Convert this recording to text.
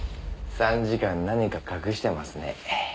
参事官何か隠してますね。